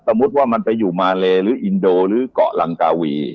มุติว่ามันไปอยู่มาเลหรืออินโดหรือเกาะลังกาวี